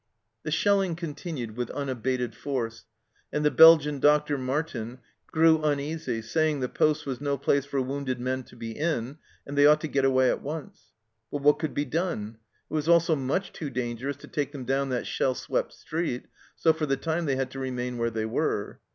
The shelling continued with unabated force, and the Belgian doctor, Martin, grew uneasy, saying the poste was no place for wounded men to be in, and they ought to get away at once. But what could be done ? It was also much too dangerous to take them down that shell swept street, so for the time they had to remain where they were.